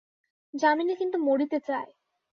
যামিনী কিন্তু মরিতে চায়।